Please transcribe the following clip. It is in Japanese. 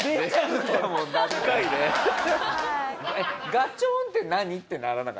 「ガチョーン」って何？ってならなかった？